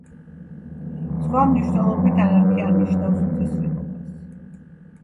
სხვა მნიშვნელობით ანარქია ნიშნავს უწესრიგობას.